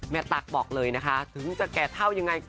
ตั๊กบอกเลยนะคะถึงจะแก่เท่ายังไง